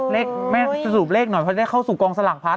เลขแม่สรุปเลขหน่อยเพราะได้เข้าสู่กองสลากพัด